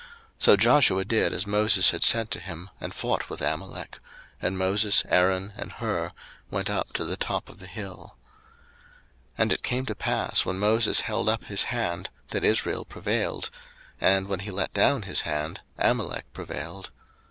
02:017:010 So Joshua did as Moses had said to him, and fought with Amalek: and Moses, Aaron, and Hur went up to the top of the hill. 02:017:011 And it came to pass, when Moses held up his hand, that Israel prevailed: and when he let down his hand, Amalek prevailed.